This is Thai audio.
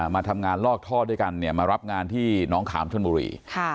มาทำงานลอกท่อด้วยกันมารับงานที่น้องขามชนบุรี